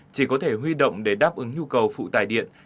chỉ có thể huy động để đáp ứng nhu cầu phụ tải điện